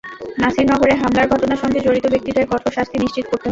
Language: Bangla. নাসিরনগরে হামলার ঘটনার সঙ্গে জড়িত ব্যক্তিদের কঠোর শাস্তি নিশ্চিত করতে হবে।